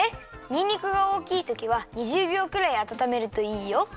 にんにくがおおきいときは２０びょうくらいあたためるといいよ。